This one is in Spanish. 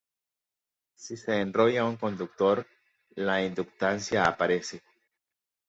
Si se enrolla un conductor, la inductancia aparece.